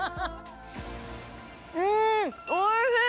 うーん、おいしい。